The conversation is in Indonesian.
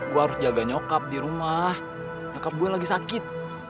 gue harus jaga nyokap di rumah nyokap gue lagi sakit